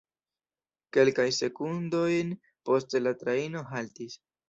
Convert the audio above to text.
Kelkajn sekundojn poste la trajno haltis.